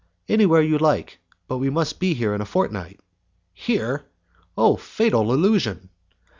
"Anywhere you like, but we must be here in a fortnight." "Here! Oh, fatal illusion!"